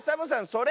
それ！